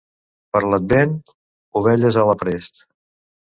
Per l'Advent, ovelles a l'aprest.